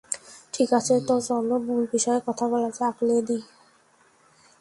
ঠিক আছে, তো চলো মূল বিষয়ে কথা বলা যাক, লেনি।